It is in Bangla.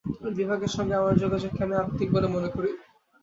এই বিভাগের সঙ্গে আমার যোগাযোগকে আমি আত্মিক বলে মনে করি।